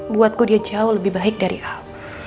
buatku dia jauh lebih baik dari hal